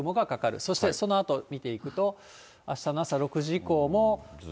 そしてそのあと見ていくと、あしたの朝６時以降も。